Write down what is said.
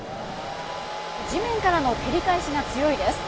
地面からの照り返しが強いです。